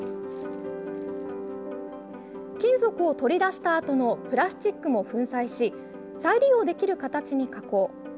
金属を取り出したあとのプラスチックも粉砕し再利用できる形に加工。